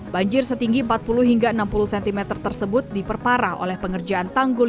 banjir setinggi empat puluh hingga enam puluh cm tersebut diperparah oleh pengerjaan tanggul